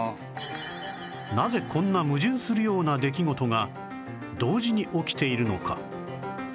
なぜこんな矛盾するような出来事が同時に起きているのか？